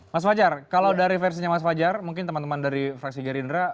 mas fajar kalau dari versinya mas fajar mungkin teman teman dari fraksi gerindra